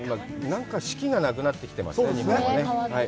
なんか、四季がなくなってきてますね、日本はね。